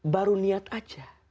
baru niat aja